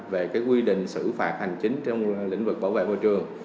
về cái quy định xử phạt hành chính trong lĩnh vực bảo vệ môi trường